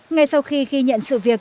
ngay sau khi ghi nhận sự việc